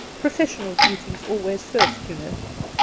Professional duties always first, you know.